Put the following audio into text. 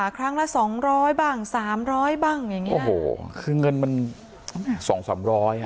ครั้งละสองร้อยบ้างสามร้อยบ้างอย่างนี้โอ้โหคือเงินมันสองสามร้อยอ่ะ